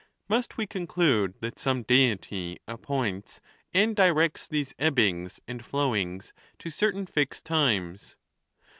Must we conclude that some Deity appoints and directs these ebbings and flowings to certain fixed times?